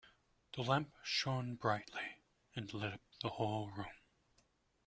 The lamp shone brightly and lit up the whole room.